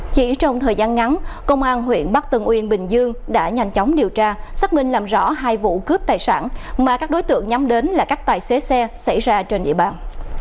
chỉ trong thời gian ngắn công an huyện bắc tân uyên bình dương đã nhanh chóng điều tra xác minh làm rõ hai vụ cướp tài sản mà các đối tượng nhắm đến là các tài xế xe xảy ra trên địa bàn